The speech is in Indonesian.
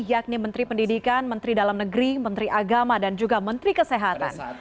yakni menteri pendidikan menteri dalam negeri menteri agama dan juga menteri kesehatan